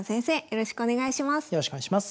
よろしくお願いします。